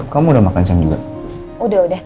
kamu udah makan siang juga